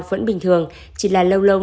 vẫn bình thường chỉ là lâu lâu